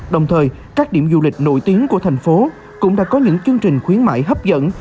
đồng thời các điểm du lịch nổi tiếng của thành phố cũng đã có những chương trình khuyến mại hấp dẫn